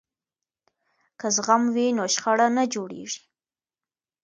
که زغم وي نو شخړه نه جوړیږي.